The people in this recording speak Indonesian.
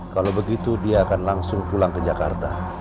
kalau begitu dia akan langsung pulang ke jakarta